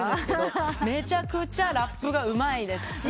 めちゃくちゃラップがうまいですし。